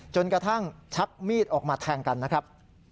กระทั่งชักมีดออกมาแทงกันนะครับ